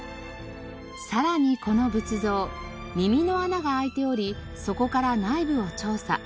さらにこの仏像耳の穴が開いておりそこから内部を調査。